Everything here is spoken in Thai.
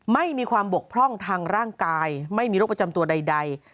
ไม่มีความบกพร่องทางร่างกายไม่มีโรคประจำตัวใด